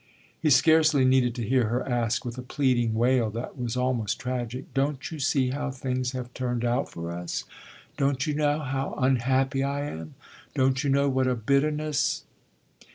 He scarcely needed to hear her ask with a pleading wail that was almost tragic: "Don't you see how things have turned out for us? Don't you know how unhappy I am, don't you know what a bitterness